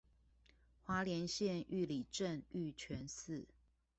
花蓮縣玉里鎮玉泉寺